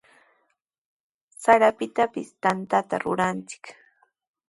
Sarapitapis tantaqa ruranchikmi.